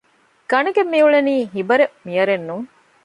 ގަނެގެން މިއުޅެނީ ހިބަރެއް މިޔަރެއް ނޫން